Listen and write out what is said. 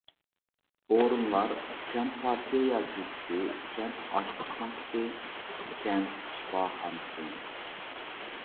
ئورۇنلار كەنت پارتىيە ياچېيكىسى، كەنت ئاشلىق پونكىتى، كەنت شىپاخانىسى.